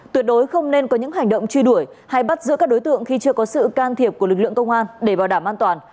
tuyệt đối không nên có những hành động truy đuổi hay bắt giữa các đối tượng khi chưa có sự can thiệp của lực lượng công an để bảo đảm an toàn